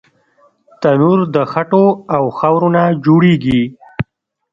تنور د خټو او خاورو نه جوړېږي